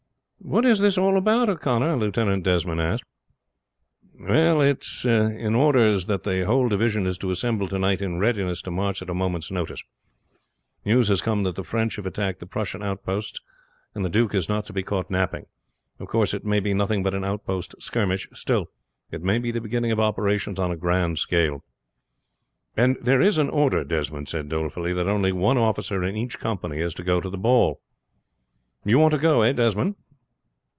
"What is this all about, O'Connor?" Lieutenant Desmond asked. "It is in orders that the whole division is to assemble to night in readiness to march at a moment's notice. News has come that the French have attacked the Prussian outposts, and the duke is not to be caught napping. Of course it may be nothing but an outpost skirmish; still it may be the beginning of operations on a grand scale." "And there is an order," Desmond said dolefully, "that only one officer in each company is to go to the ball." "You want to go eh, Desmond?"